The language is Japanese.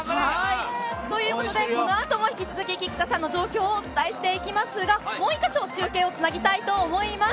ということでこの後も引き続き菊田さんの状況をお伝えしていきますがもう１カ所中継をつなげたいと思います。